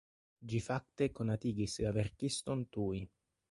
Ĝi fakte konatigis la verkiston tuj.